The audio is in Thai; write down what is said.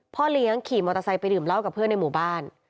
พ่อเลี้ยงขี่มอเตอร์ไซค์ไปดื่มเหล้ากับเพื่อนในหมู่บ้าน